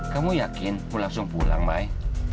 kamu yakin langsung pulang mai